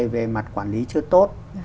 về mặt quản lý chưa tốt